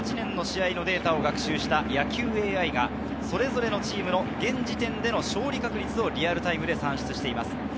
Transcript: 過去１８年の試合のデータを学習した野球ＡＩがそれぞれのチームの現時点での勝利確率をリアルタイムで算出しています。